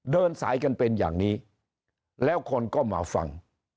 เดินสายกันเป็นอย่างนี้แล้วคนก็มาฟัง